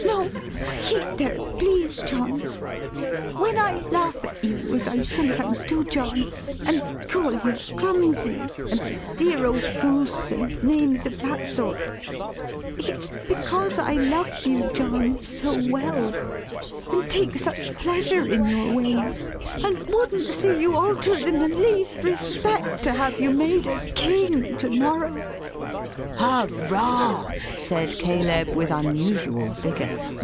"No; keep there, please John! When I laugh at you, as I sometimes do, John; and call you clumsy, and a dear old goose, and names of that sort, it's because I love you John, so well; and take such pleasure in your ways; and wouldn't see you altered in the least respect to have you made a King to morrow." "Hooroar!" said Caleb with unusual vigour.